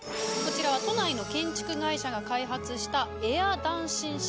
こちらは都内の建築会社が開発した。